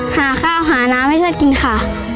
หาข้าวหาน้ำให้ช่วยกินค่ะ